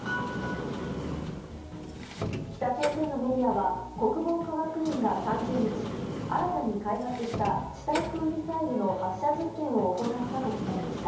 北朝鮮のメディアは国防科学院が３０日新たに開発した地対空ミサイルの発射実験を行ったと伝えました。